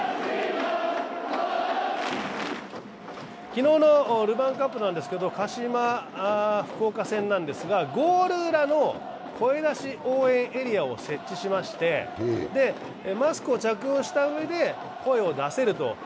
昨日のルヴァンカップなんですけど鹿島−福岡戦なんですが、ゴール裏に声出し応援エリアを設置しましてマスクを着用したうえで声を出せると。